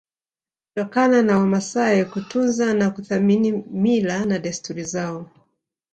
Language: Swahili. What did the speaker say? kutokana na Wamasai kutunza na kuthamini mila na desturi zao